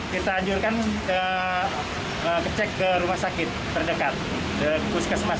kita anjurkan kecek ke rumah sakit terdekat ke puskesmas